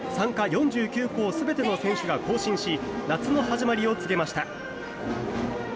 ４９校全ての選手が行進し夏の始まりを告げました。